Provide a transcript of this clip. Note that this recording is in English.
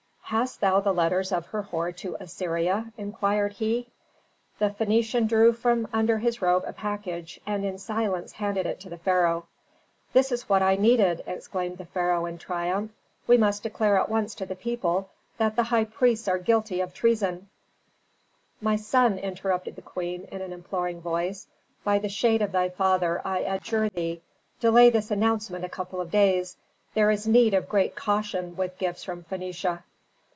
"Hast thou the letters of Herhor to Assyria?" inquired he. The Phœnician drew from under his robe a package, and in silence handed it to the pharaoh. "This is what I needed!" exclaimed the pharaoh in triumph. "We must declare at once to the people that the high priests are guilty of treason " "My son," interrupted the queen in an imploring voice, "by the shade of thy father I adjure thee; delay this announcement a couple of days. There is need of great caution with gifts from Phœnicia."